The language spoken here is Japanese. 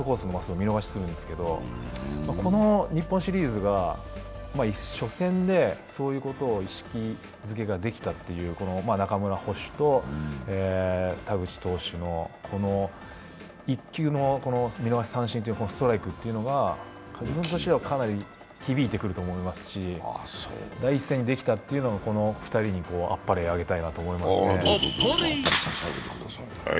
う見逃しするんですけど、この日本シリーズが初戦でそういうことを意識づけができたという中村捕手と田口投手のこの１球の、見逃し三振のストライクっていうのは、自分としてはかなり響いてくると思いますし第１戦にできたというのは、この選手たちにあっぱれをあげたいと思いますね。